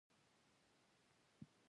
زغره پنځه ویشت زره سره زر ده.